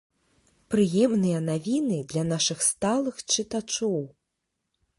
Прыемныя навіны для нашых сталых чытачоў!